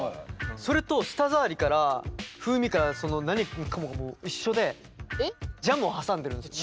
それと舌触りから風味からその何もかもがもう一緒でジャムを挟んでるんですよ。